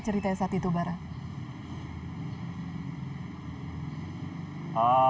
cerita yang saat itu bara